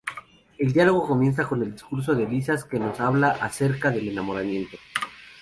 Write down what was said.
El diálogo comienza con el discurso de Lisias que nos habla acerca del enamoramiento.